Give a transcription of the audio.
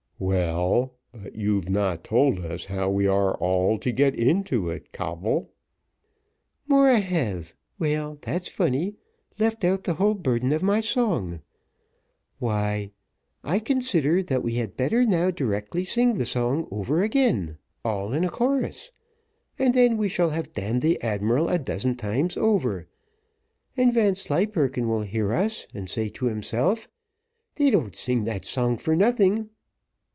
"Well, but you've not told us how we are all to get into it, Coble." "More I have well, that's funny; left out the whole burden of my song. Why, I consider that we had better now directly sing the song over again, all in chorus, and then we shall have damned the admiral a dozen times over; and Vanslyperken will hear us, and say to himself, 'They don't sing that song for nothing.'